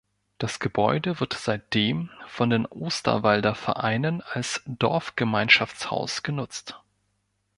Das Gebäude wird seitdem von den Osterwalder Vereinen als Dorfgemeinschaftshaus genutzt.